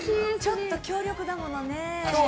ちょっと強力だものね。